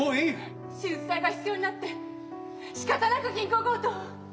手術代が必要になってしかたなく銀行強盗を。